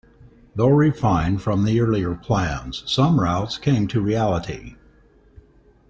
Though refined from the earlier plans, some routes came to reality.